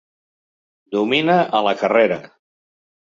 Domina a la carrera.